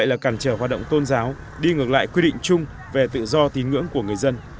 cảnh giả không có thể cản trở hoạt động tôn giáo đi ngược lại quy định chung về tự do tín ngưỡng của người dân